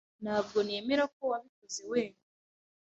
Ntabwo nemera ko wabikoze wenyine.